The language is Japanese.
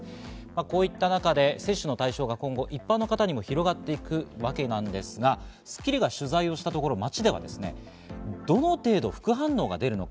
こういった中で接種の対象が今後、一般の方にも広がっていくわけですが、『スッキリ』が取材したところ、街ではどの程度、副反応が出るのか。